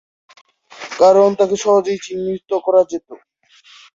কারণ, তাকে সহজেই চিহ্নিত করা যেত।